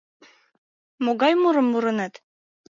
Могай мурым мурынет?